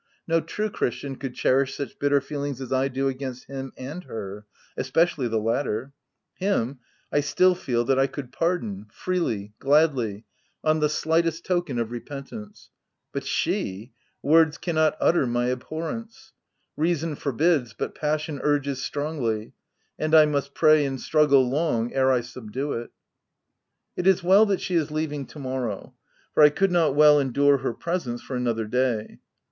No true christian could cherish such bitter feelings as I do against him and her — especially the latter : him, I still feel that I could pardon— freely, gladly — on the slightest token of repent ance ; but she — words cannot utter my ab horence. Reason forbids, but passion urges strongly ; and I must pray and struggle long ere I subdue it. It is well that she is leaving to morrow, for I could not well endure her presence for another day.